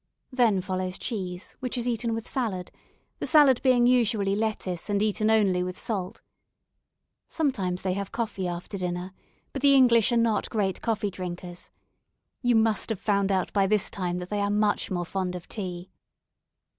Then follows cheese, which is eaten with salad, the salad being usually lettuce and eaten only with salt. Sometimes they have coffee after dinner, but the English are not great coffee drinkers. You must have found out by this time that they are much more fond of tea.